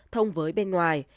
thông với bên ngoài